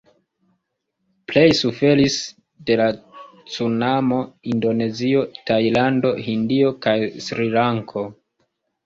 Pleje suferis de la cunamo Indonezio, Tajlando, Hindio kaj Srilanko.